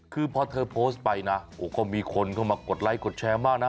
คือพอเธอโพสต์ไปนะโอ้โหก็มีคนเข้ามากดไลคดแชร์มากนะ